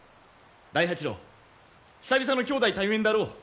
大八郎久々の兄弟対面であろう。